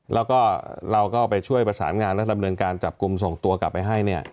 แล้วก็เราก็ไปช่วยประสานงานและดำเนินการจับกลุ่มส่งตัวกลับไปให้เนี่ย